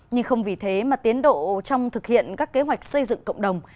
nhưng không vì thế mà tiến độ trong thực hiện các kế hoạch xây dựng cộng đồng